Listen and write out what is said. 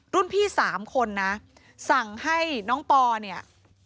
รุ่นพี่๓คนนะสั่งให้น้องปอเนี่ย